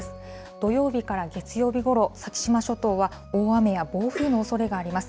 土曜日から月曜日ごろ、先島諸島は大雨や暴風のおそれがあります。